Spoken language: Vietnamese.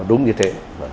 đúng như thế